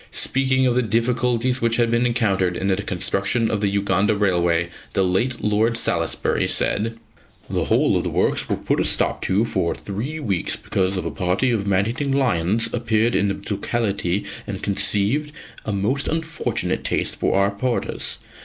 Speaking of the difficulties which had been encountered in the construction of the Uganda Railway, the late Lord Salisbury said: "The whole of the works were put a stop to for three weeks because a party of man eating lions appeared in the locality and conceived a most unfortunate taste for our porters.